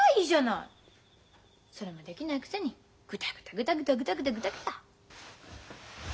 それもできないくせにグダグダグダグダグダグダグダグダ。